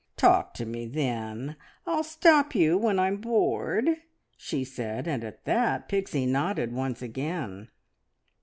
"Talk to me, then. I'll stop you when I'm bored!" she said, and at that Pixie nodded once again.